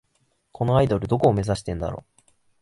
このアイドル、どこを目指してんだろ